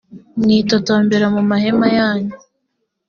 mwitotombera mu mahema yanyu